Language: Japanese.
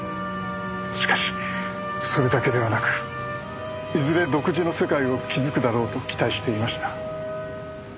しかしそれだけではなくいずれ独自の世界を築くだろうと期待していました。